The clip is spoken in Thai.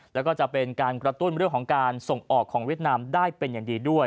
แล้วก็จะเป็นการกระตุ้นเรื่องของการส่งออกของเวียดนามได้เป็นอย่างดีด้วย